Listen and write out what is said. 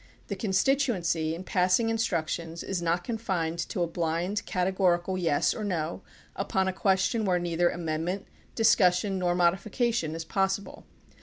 The con stituency in passing instructions is not confined to a blind, categorical "yes" or "no" upon a question where neither amendment, discussion, nor modifica tion is possible.